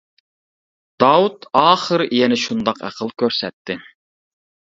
داۋۇت ئاخىر يەنە شۇنداق ئەقىل كۆرسەتتى.